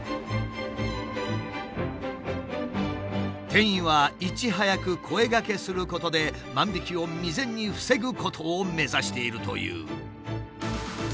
店員はいち早く声がけすることで万引きを未然に防ぐことを目指しているという。